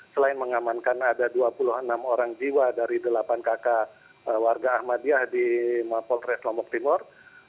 selain mengamankan ada dua puluh enam orang jiwa dari delapan kakak warga ahmadiyah di mapolres lombok timur